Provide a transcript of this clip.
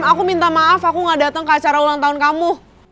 aku minta maaf aku gak datang ke acara ulang tahun kamu